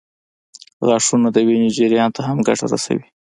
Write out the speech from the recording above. غاښونه د وینې جریان ته هم ګټه رسوي.